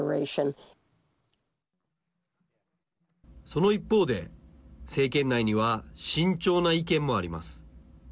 その一方で政権内には慎重な意見もあります。